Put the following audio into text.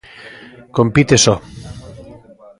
Compite só.